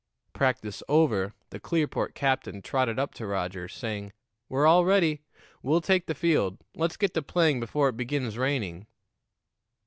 Practice over, the Clearport captain trotted up to Roger, saying: "We're all ready. We'll take the field. Let's get to playing before it begins raining."